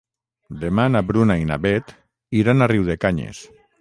Demà na Bruna i na Beth iran a Riudecanyes.